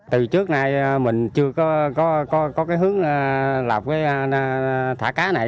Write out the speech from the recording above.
từ trước này mình chưa có cái hướng lập cái thả cá này